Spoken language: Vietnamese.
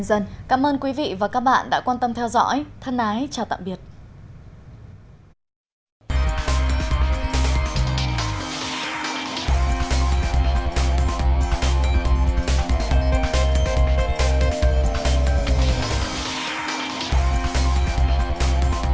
đăng ký kênh để ủng hộ kênh của chúng mình nhé